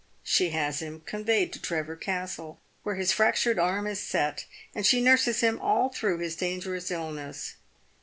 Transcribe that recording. She has him conveyed to Trevor Castle, where his fractured arm is set, and she nurses him all through his dangerous illness.